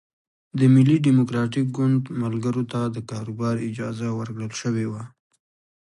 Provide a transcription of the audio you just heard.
د ملي ډیموکراتیک ګوند ملګرو ته د کاروبار اجازه ورکړل شوې وه.